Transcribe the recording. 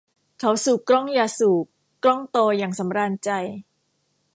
เขาสูบกล้องยาสูบกล้องโตอย่างสำราญใจ